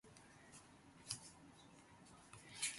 It is also widely naturalized in Eurasia and Australia.